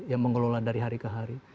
yang mengelola dari hari ke hari